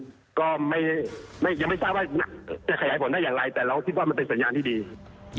แต่เราก็คิดว่ามันเป็นสัญญาณที่ดี